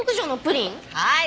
はい。